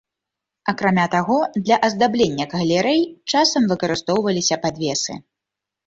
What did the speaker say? Акрамя таго, для аздаблення галерэй часам выкарыстоўваліся падвесы.